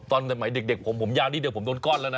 ตอนสมัยเด็กผมยาวนิดเดียวผมโดนก้อนแล้วนะ